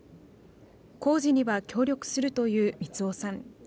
工事には協力するという満雄さん。